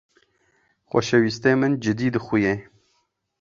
Xoşewîstê min cidî dixuye.